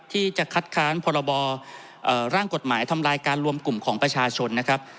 ที่จะคัดค้านพรบร่างกฎหมายทำลายการรวมกลุ่มของประชาชนนะครับ